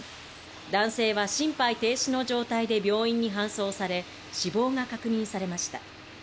男性は心肺停止の状態で病院に搬送され、死亡が確認されました。